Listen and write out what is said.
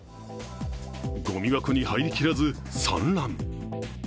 ごみ箱に入りきらず、散乱。